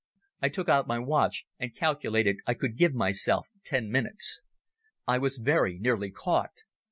I took out my watch and calculated I could give myself ten minutes. I was very nearly caught.